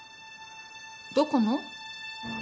どこの？